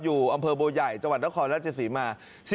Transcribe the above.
อยู่อำเภอโบใหญ่จังหวัดนครรัฐเจสีมา